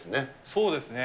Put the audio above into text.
そうですね。